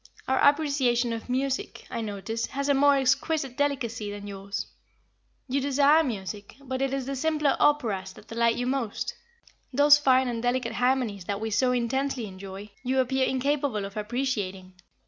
"Our appreciation of music, I notice, has a more exquisite delicacy than yours. You desire music, but it is the simpler operas that delight you most. Those fine and delicate harmonies that we so intensely enjoy, you appear incapable of appreciating."